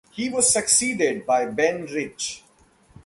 He was succeeded by Ben Rich.